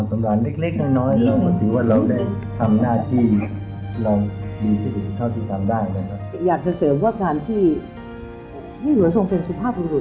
ตอนนี้ครับผมทรงธรรมอะไรดูนาฬิกาก็รู้